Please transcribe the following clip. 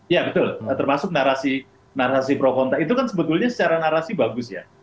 ya betul termasuk narasi pro contra itu kan sebetulnya secara narasi bagus ya